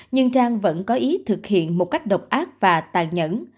nhưng trang vẫn có ý thực hiện một cách độc ác và tàn nhẫn